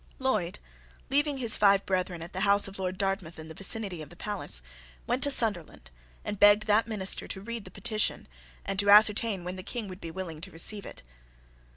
Lloyd, leaving his five brethren at the house of Lord Dartmouth in the vicinity of the palace, went to Sunderland, and begged that minister to read the petition, and to ascertain when the King would be willing to receive it.